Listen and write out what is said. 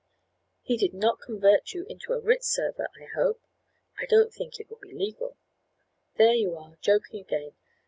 "He did not convert you into a writ server, I hope. I don't think it would be legal." "There you are, joking again!